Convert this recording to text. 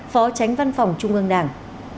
phó tránh văn phòng trung ương đảng